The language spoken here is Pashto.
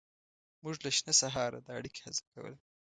موږ له شنه سهاره د اړیکې هڅه کوله.